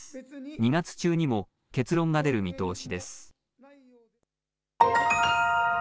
２月中にも結論が出る見通しです。